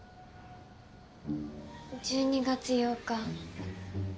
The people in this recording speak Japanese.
１２月８日。